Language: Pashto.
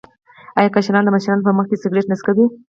آیا کشران د مشرانو په مخ کې سګرټ نه څکوي؟